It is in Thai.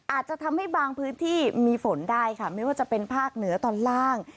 อาจจะทำให้บางพื้นที่มีฝนได้ค่ะไม่ว่าจะเป็นภาคเหนือตอนล่าง